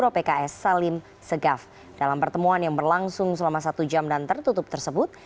pertemuan yang berlangsung selama satu jam dan tertutup tersebut